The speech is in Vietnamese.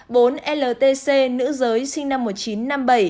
bốn ltc nữ giới sinh năm một nghìn chín trăm năm mươi bảy